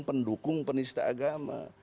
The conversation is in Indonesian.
yang pendukung penista agama